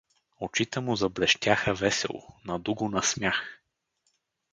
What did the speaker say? Очите му заблещяха весело, наду го на смях.